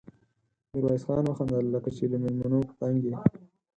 ميرويس خان وخندل: لکه چې له مېلمنو په تنګ يې؟